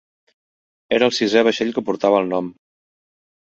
Era el sisè vaixell que portava el nom.